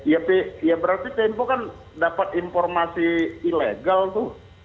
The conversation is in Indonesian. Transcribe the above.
ya berarti tempo kan dapat informasi ilegal tuh